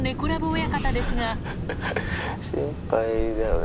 親方ですが心配だよね